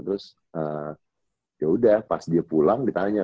terus yaudah pas dia pulang ditanya